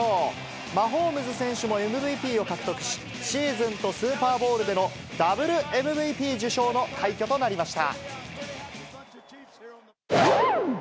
マホームズ選手もＭＶＰを獲得し、シーズンとスーパーボウルでのダブルＭＶＰ受賞の快挙となりました。